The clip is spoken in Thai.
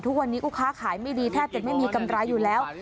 ทุกวันนี้ลูกค้าขายไม่ดีแทบจะไม่มีกำไรอยู่แล้ว